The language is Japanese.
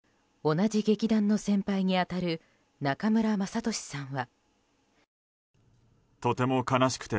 同じ劇団の先輩に当たる中村雅俊さんは。